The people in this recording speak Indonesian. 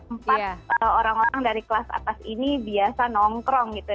empat orang orang dari kelas atas ini biasa nongkrong gitu